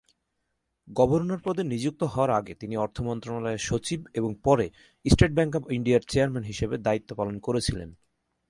Governor পদে নিযুক্ত হওয়ার আগে তিনি অর্থ মন্ত্রণালয়ের সচিব এবং পরে স্টেট ব্যাঙ্ক অফ ইন্ডিয়ার চেয়ারম্যান হিসাবে দায়িত্ব পালন করেছিলেন।